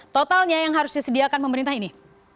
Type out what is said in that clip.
totalnya yang harus disediakan pemerintah ini